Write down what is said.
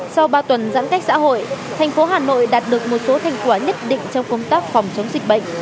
sau ba tuần giãn cách xã hội thành phố hà nội đạt được một số thành quả nhất định trong công tác phòng chống dịch bệnh